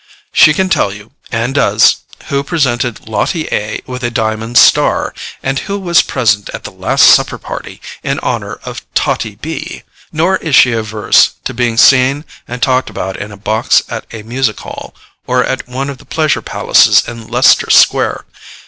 She can tell you, and does, who presented LOTTIE A. with a diamond star, and who was present at the last supper party in honour of TOTTIE B. Nor is she averse to being seen and talked about in a box at a Music Hall, or at one of the pleasure palaces in Leicester Square.